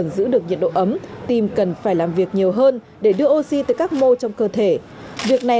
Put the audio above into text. giữ được nhiệt độ ấm tìm cần phải làm việc nhiều hơn để đưa oxy tới các mô trong cơ thể việc này